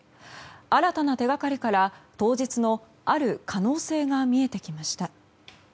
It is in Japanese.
新たな手掛かりから、当日のある可能性が見えてきました。